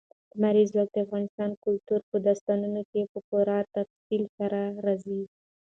لمریز ځواک د افغان کلتور په داستانونو کې په پوره تفصیل سره راځي.